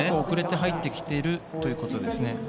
遅れて入ってきているということですね。